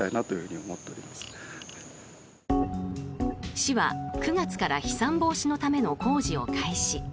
市は９月から飛散防止のための工事を開始。